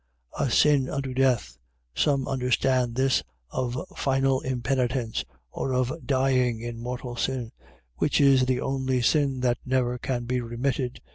A sin unto death. . .Some understand this of final impenitence, or of dying in mortal sin; which is the only sin that never can be remitted.